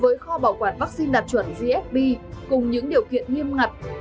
với kho bảo quản vaccine đạt chuẩn gsb cùng những điều kiện nghiêm ngặt